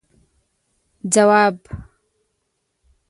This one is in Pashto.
ځواب: